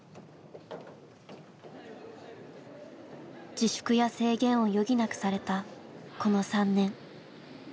自粛や制限を余儀なくされたこの３年。